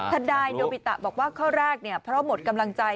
ธนายนโบิตะบอกว่าข้อแรกเพราะหมดกำลังใจ